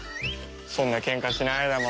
そんなケンカしないでも。